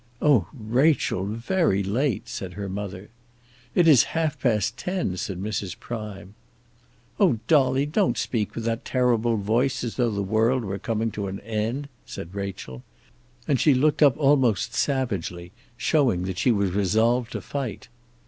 "Oh, Rachel, very late!" said her mother. "It is half past ten," said Mrs. Prime. "Oh, Dolly, don't speak with that terrible voice, as though the world were coming to an end," said Rachel; and she looked up almost savagely, showing that she was resolved to fight.